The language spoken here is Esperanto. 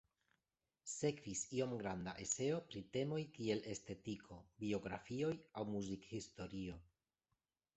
Sekvis iom granda eseo pri temoj kiel estetiko, biografioj aŭ muzikhistorio.